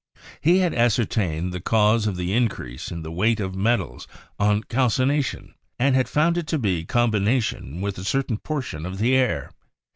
He had ascertained the cause of the increase in the weight of metals on calcination and had found it to be combination with a certain portion of the air.